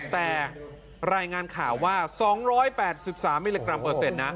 แต่รายงานข่าวว่า๒๘๓มิลลิกรัมเปอร์เซ็นต์นะ